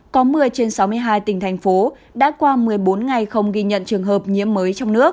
có một mươi trên sáu mươi hai tỉnh thành phố đã qua một mươi bốn ngày không ghi nhận trường hợp nhiễm mới trong nước